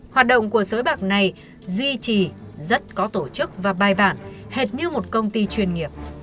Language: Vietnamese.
hoạt động của sới bạc này duy trì rất có tổ chức và bài bản hết như một công ty chuyên nghiệp